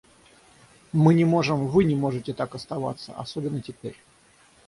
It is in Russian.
Мы не можем... вы не можете так оставаться, особенно теперь.